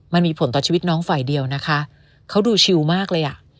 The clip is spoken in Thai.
มันมีผลต่อชีวิตน้องฝ่ายเดียวนะคะเขาดูชิวมากเลยอ่ะ